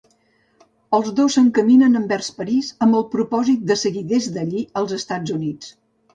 Els dos s'encaminen envers París amb el propòsit de seguir des d'allí als Estats Units.